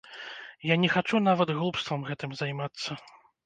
Я не хачу нават глупствам гэтым займацца!